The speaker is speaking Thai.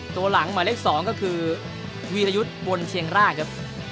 ตัวหลังหมายเลข๒ก็คือวีรยุทธ์บนเชียงรากครับ